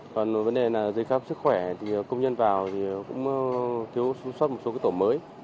còn vấn đề là dây khám sức khỏe thì công nhân vào thì cũng thiếu xuất một số tổ mới